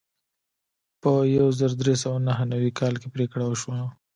په یو زر درې سوه نهه نوي کال کې پریکړه وشوه.